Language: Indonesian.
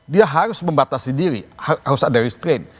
dia harus membatasi diri harus ada restrain